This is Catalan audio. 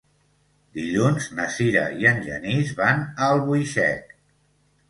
Dilluns na Sira i en Genís van a Albuixec.